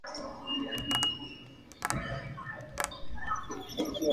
Recientemente firmó su primer contrato profesional.